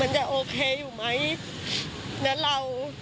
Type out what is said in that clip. จะโอเคอยู่ไหมและเรา